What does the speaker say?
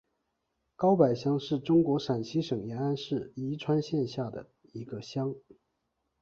高柏乡是中国陕西省延安市宜川县下辖的一个乡。